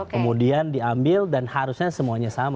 kemudian diambil dan harusnya semuanya sama